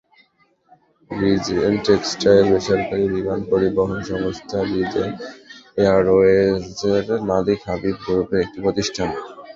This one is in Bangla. রিজেন্ট টেক্সটাইল বেসরকারি বিমান পরিবহন সংস্থা রিজেন্ট এয়ারওয়েজের মালিক হাবিব গ্রুপের একটি প্রতিষ্ঠান।